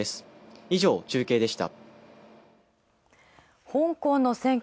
以上、中継でした。